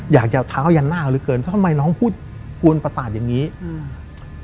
อยากจะเอาเท้ายันหน้าเหลือเกินแล้วทำไมน้องพูดกวนประสาทอย่างงี้อืม